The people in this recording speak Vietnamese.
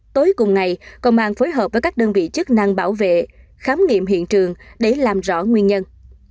tối cùng ngày công an phối hợp với các đơn vị chức năng bảo vệ khám nghiệm hiện trường để làm rõ nguyên nhân